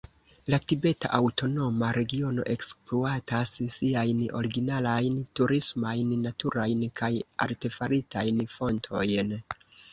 La Tibeta Aŭtonoma Regiono ekspluatas siajn originalajn turismajn naturajn kaj artefaritajn fontojn.